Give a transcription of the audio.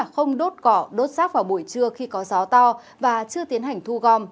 không đốt cỏ đốt rác vào buổi trưa khi có gió to và chưa tiến hành thu gom